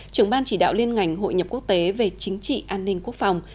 trưởng ban chỉ đạo liên ngành hội nhập quốc tế về chính trị an ninh quốc phòng